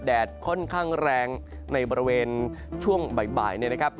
แดดค่อนข้างแรงในบริเวณช่วงบ่ายเนี่ยนะครับ